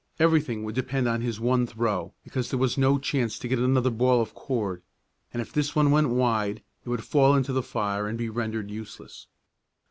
Everything would depend on his one throw, because there was no chance to get another ball of cord, and if this one went wide it would fall into the fire and be rendered useless.